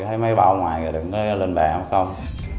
thấy mấy bao ở ngoài thì đừng có lên bè không